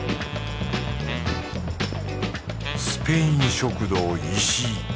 スペイン食堂石井。